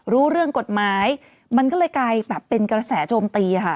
รู้เรื่องกฎหมายมันก็เลยกลายแบบเป็นกระแสโจมตีค่ะ